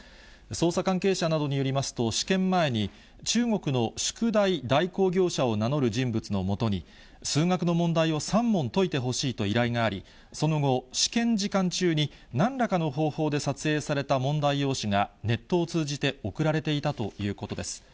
捜査関係者などによりますと、試験前に、中国の宿題代行業者を名乗る人物のもとに、数学の問題を３問解いてほしいと依頼があり、その後、試験時間中になんらかの方法で撮影された問題用紙がネットを通じて送られていたということです。